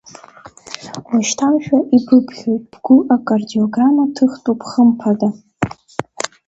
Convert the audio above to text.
Уашьҭаншәа ибыԥхьоит, бгәы акардиограмма ҭыхтәуп, хымԥада.